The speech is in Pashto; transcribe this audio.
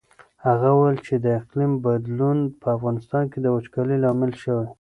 هغه وویل چې د اقلیم بدلون په افغانستان کې د وچکالۍ لامل شوی.